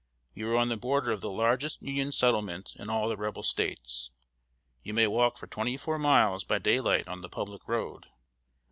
You are on the border of the largest Union settlement in all the Rebel States. You may walk for twenty four miles by daylight on the public road.